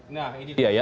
nah ini dia ya